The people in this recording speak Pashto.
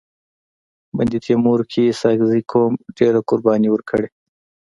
بند تيمور کي اسحق زي قوم ډيري قرباني ورکړي.